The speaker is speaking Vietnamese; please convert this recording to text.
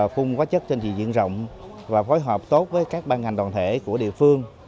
phung quá chất trên diện rộng và phối hợp tốt với các ban ngành đoàn thể của địa phương